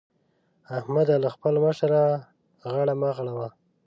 احمده! له خپل مشره غاړه مه غړوه.